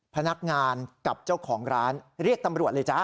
พนักงานกับเจ้าของร้านเรียกตำรวจเลยจ๊ะ